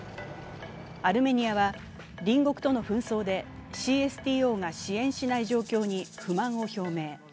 アルメニアは隣国との紛争でＣＳＴＯが支援しない状況に不満を表明。